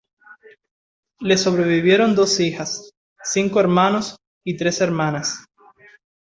Le sobrevivieron dos hijas, cinco hermanos y tres hermanas.